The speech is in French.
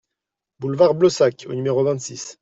Boulevard Blossac au numéro vingt-six